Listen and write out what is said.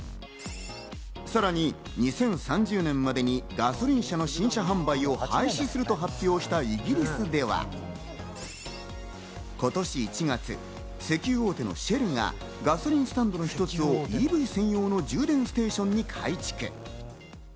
さらに２０３０年までにガソリン車の新車販売を廃止すると発表したイギリスでは、今年１月、石油大手のシェルがガソリンスタンドの一つをＥＶ専用の充電ステーションに改築。